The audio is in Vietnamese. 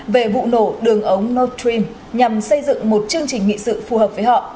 về vụ nổ đường ống nord stream nhằm xây dựng một chương trình nghị sự phù hợp với họ